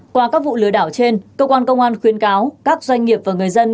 qua các vụ lừa đảo trên cơ quan công an khuyến cáo các doanh nghiệp và người dân